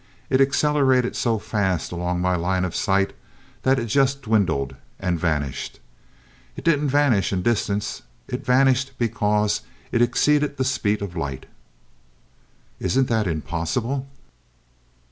It accelerated so fast along my line of sight that it just dwindled, and vanished. It didn't vanish in distance, it vanished because it exceeded the speed of light." "Isn't that impossible?"